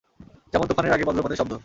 যেমন তুফানের আগে বজ্রপাতের শব্দ।